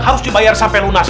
harus dibayar sampai lunas